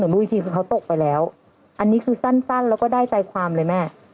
รู้อีกทีคือเขาตกไปแล้วอันนี้คือสั้นแล้วก็ได้ใจความเลยแม่